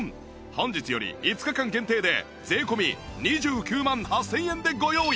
本日より５日間限定で税込２９万８０００円でご用意